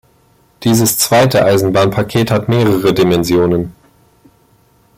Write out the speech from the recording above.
Dieses zweite Eisenbahnpaket hat mehrere Dimensionen.